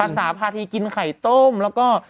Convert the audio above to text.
ภาษาภาธีกินไข่ต้มแล้วก็